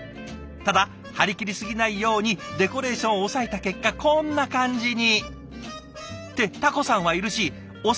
ただ張り切り過ぎないようにデコレーションを抑えた結果こんな感じに。ってタコさんはいるし抑えきれてませんよ。